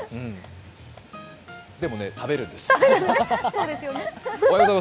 でもね、食べるんです。